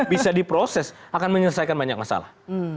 bisa diproses akan menyelesaikan banyak masalah